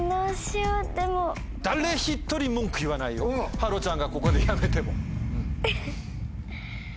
芭路ちゃんがここでやめても。